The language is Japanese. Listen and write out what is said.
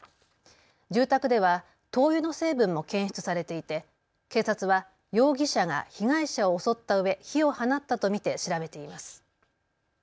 住宅では灯油の成分も検出されていて警察は容疑者が被害者を襲ったうえ火を放ったと見て調べています。